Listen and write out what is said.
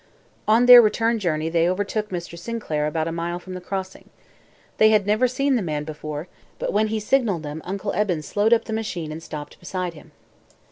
On their return journey they overtook Mr. Sinclair at about a mile from the Crossing. They had never seen the man before, but when he signaled them. Uncle Eben slowed up the machine and stopped beside him.